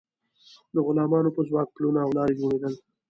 د غلامانو په ځواک پلونه او لارې جوړیدل.